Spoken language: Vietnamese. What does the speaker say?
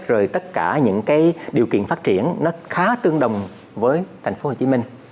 rồi tất cả những cái điều kiện phát triển nó khá tương đồng với thành phố hồ chí minh